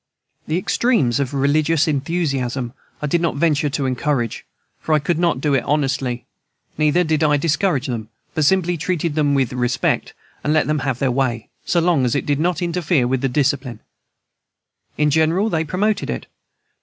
The extremes of religious enthusiasm I did not venture to encourage, for I could not do it honestly; neither did I discourage them, but simply treated them with respect, and let them have their way, so long as they did not interfere with discipline. In general they promoted it.